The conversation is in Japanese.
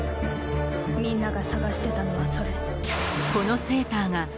みんなが捜してたのはそれ。